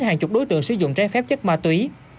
hàng chục đối tượng sử dụng trái phép chất ma túy